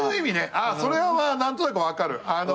それは何となく分かる。